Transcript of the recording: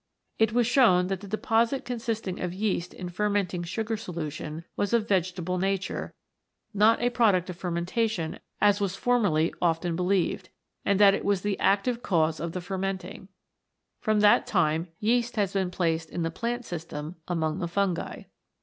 It was shown that the deposit consisting of yeast in fermenting sugar solution was of vegetable nature, not a product of fermentation as was formerly often 91 CHEMICAL PHENOMENA IN LIFE believed, and that it was the active cause of the fermenting. From that time yeast has been placed in the plant system among the fungi.